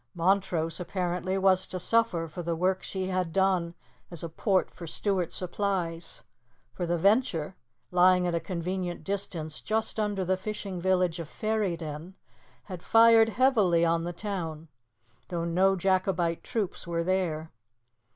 Montrose, apparently, was to suffer for the work she had done as a port for Stuart supplies, for the Venture, lying at a convenient distance just under the fishing village of Ferryden, had fired heavily on the town, though no Jacobite troops were there.